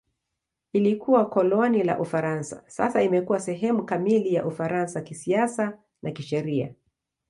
Ilikuwa koloni la Ufaransa; sasa imekuwa sehemu kamili ya Ufaransa kisiasa na kisheria.